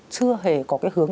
chưa hề có cái hướng